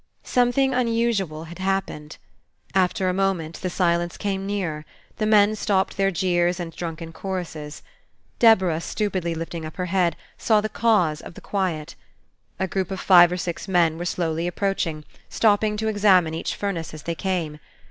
Something unusual had happened. After a moment, the silence came nearer; the men stopped their jeers and drunken choruses. Deborah, stupidly lifting up her head, saw the cause of the quiet. A group of five or six men were slowly approaching, stopping to examine each furnace as they came.